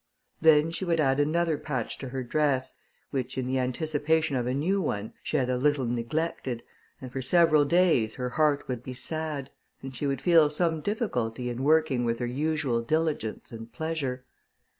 Then would she add another patch to her dress, which, in the anticipation of a new one, she had a little neglected, and for several days her heart would be sad, and she would feel some difficulty in working with her usual diligence and pleasure.